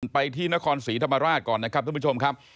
ไปที่นครศรีธรรมราชก่อนนะครับท่านผู้ชมครับ